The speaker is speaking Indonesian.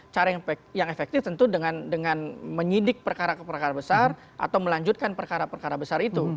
cara yang efektif tentu dengan menyidik perkara perkara besar atau melanjutkan perkara perkara besar itu